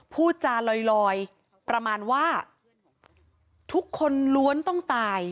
พูดจาลอยประมาณว่าทุกคนล้วนต้องตาย